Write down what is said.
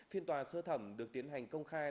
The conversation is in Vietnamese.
phiên tòa sơ thẩm được tiến hành công khai